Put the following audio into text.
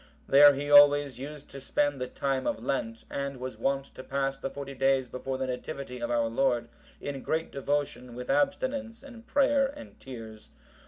There he always used to spend the time of Lent, and was wont to pass the forty days before the Nativity of our Lord, in great devotion with abstinence and prayer and tears.